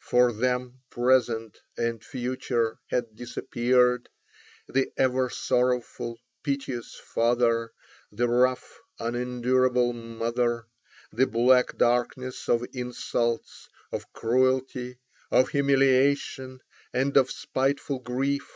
For them present and future had disappeared: the ever sorrowful, piteous father, the rough, unendurable mother, the black darkness of insults, of cruelty, of humiliations, and of spiteful grief.